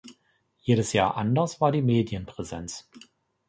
Jedes Jahr anders war die Medienpräsenz.